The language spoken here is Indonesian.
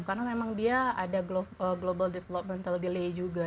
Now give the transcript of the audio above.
karena memang dia ada global developmental delay juga